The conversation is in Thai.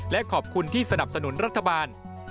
และขอบคุณที่สนับสนุนรัฐบาล